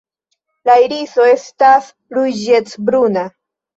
La iriso estas ruĝecbruna.